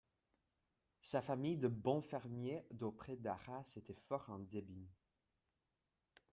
Sa famille de bons fermiers d'auprès d'Arras était fort en débine.